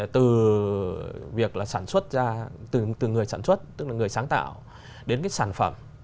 từ việc là sản xuất ra từ người sản xuất tức là người sáng tạo đến cái sản phẩm